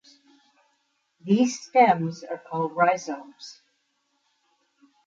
These stems are called rhizomes.